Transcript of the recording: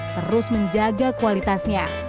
terus menjaga kualitasnya